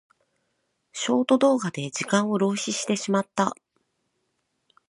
ショート動画で時間を浪費してしまった。